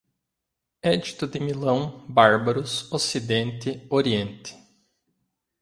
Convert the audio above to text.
Édito de Milão, bárbaros, ocidente, oriente